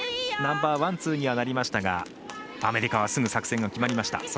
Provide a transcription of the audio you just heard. ナンバーワン、ツーにはなりましたがアメリカすぐ作戦が決まりました。